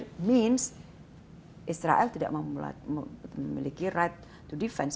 itu berarti israel tidak memiliki right to defend